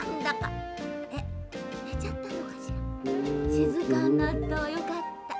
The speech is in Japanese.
しずかになったわよかった。